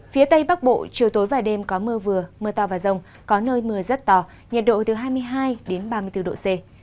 phía tây bắc bộ chiều tối và đêm có mưa vừa mưa to và rồng có nơi mưa rất to nhiệt độ từ hai mươi hai ba mươi bốn độ c